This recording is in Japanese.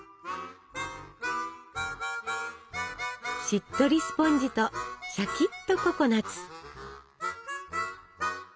しっとりスポンジとしゃきっとココナツ。